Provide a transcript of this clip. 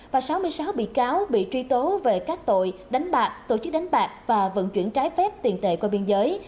và sáu mươi sáu bị cáo bị truy tố về các tội đánh bạc tổ chức đánh bạc và vận chuyển trái phép tiền tệ qua biên giới